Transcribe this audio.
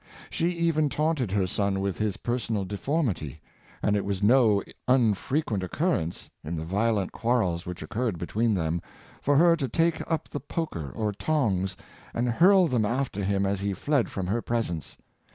She even taunted her son with his per sonal deformity; and it was no unfrequent occurrence, in the violent quarrels which occurred between them, for her to take up the poker or tongs and hurl them after him as he fled from her presence.